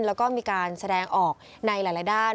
แล้วก็มีการแสดงออกในหลายด้าน